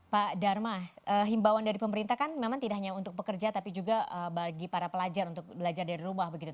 pak dharma himbauan dari pemerintah kan memang tidak hanya untuk pekerja tapi juga bagi para pelajar untuk belajar dari rumah begitu